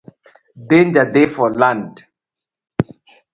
Danger dey for land.